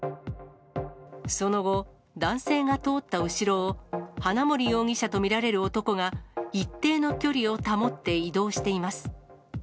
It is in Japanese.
その後、男性が通った後ろを、花森容疑者と見られる男が、一定の距離を保って移動しています。